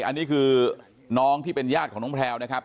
อันนี้คือน้องที่เป็นญาติของน้องแพลวนะครับ